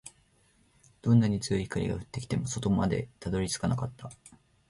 どんなに強い光が降ってきても、底までたどり着かなかった